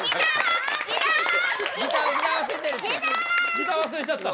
ギター忘れちゃった。